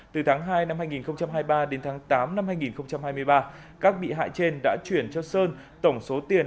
từ tháng hai năm hai nghìn hai mươi ba đến tháng tám năm hai nghìn hai mươi ba các bị hại trên đã chuyển cho sơn tổng số tiền